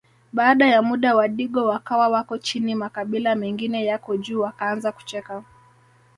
Baada ya muda wadigo wakawa wako chini makabila mengine yako juu Wakaanza kucheka